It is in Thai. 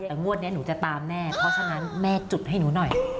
แต่งวดนี้หนูจะตามแน่เพราะฉะนั้นแม่จุดให้หนูหน่อย